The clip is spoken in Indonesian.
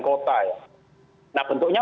kota ya nah bentuknya